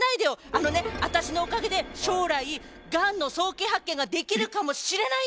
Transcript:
あのね私のおかげで将来がんの早期発見ができるかもしれないんですよ！